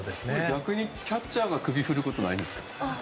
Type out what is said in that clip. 逆にキャッチャーが首を振ることはないんですか？